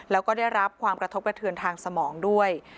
แล้วก็ได้รับความกระทบกระเทือนทางสมองด้วย